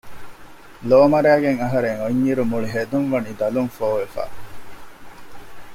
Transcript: ލޯ މަރައިގެން އަހަރެން އޮތް އިރު މުޅި ހެދުން ވަނީ ދަލުން ފޯ ވެފަ